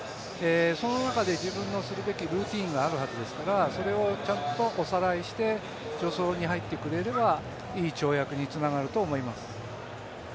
その中で自分のするべきルーチンがあるはずですからそれをちゃんとおさらいして助走に入ってくれればいい跳躍につながると思います。